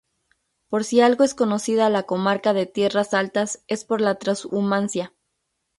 Por si algo es conocida la comarca de Tierras Altas es por la Trashumancia.